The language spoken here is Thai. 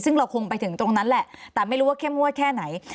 ซึ่งเราคงไปถึงตรงนั้นแหละแต่ไม่รู้ว่าเข้มงวดแค่ไหน